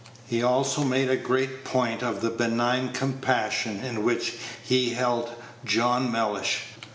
He also made a great point of the benign compassion in which he heldJohn Mellish.